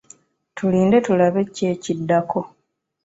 Tulinde tulabe ki ekiddako